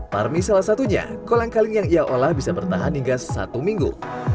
parmi salah satunya kolang kaling yang ia olah bisa bertahan hingga satu minggu